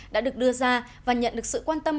đã được đưa ra và nhận được sự quan tâm